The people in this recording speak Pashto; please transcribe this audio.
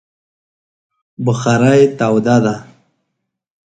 بخارۍ توده ده